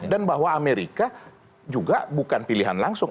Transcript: dan bahwa amerika juga bukan pilihan langsung